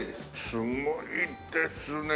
すごいですね。